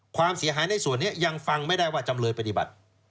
ความเสียหายในส่วนนี้ยังฟังไม่ได้ว่าจำเลยปฏิบัติ